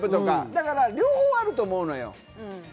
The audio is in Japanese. だから両方あると思うのよ。